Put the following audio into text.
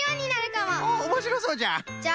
おおおもしろそうじゃ。